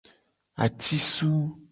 Atisu.